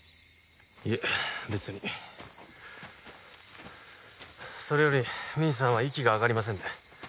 いえ別にそれよりミンさんは息が上がりませんね